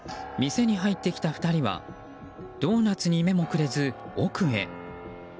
店に入ってきた２人はドーナツに目もくれず、奥へ。